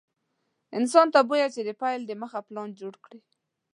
انسان ته بويه چې د پيل دمخه پلان جوړ کړي.